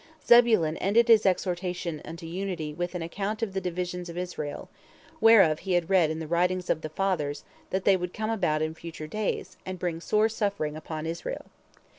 Zebulon ended his exhortation unto unity with an account of the divisions in Israel, whereof he had read in the writings of the fathers, that they would come about in future days, and bring sore suffering upon Israel.